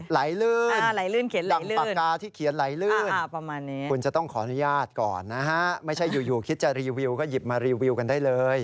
ไหลลื่นอย่างปากกาที่เขียนไหลลื่นคุณจะต้องขออนุญาตก่อนนะฮะไม่ใช่อยู่คิดจะรีวิวก็หยิบมารีวิวกันได้เลย